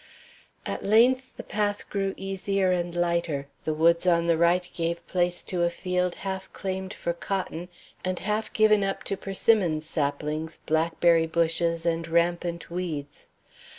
At length the path grew easier and lighter, the woods on the right gave place to a field half claimed for cotton and half given up to persimmon saplings, blackberry bushes, and rampant weeds.